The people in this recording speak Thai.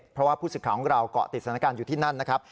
เพราะว่าผู้สื่อข่าวของเราเกาะติดสถานการณ์อยู่ที่นั่นนะครับ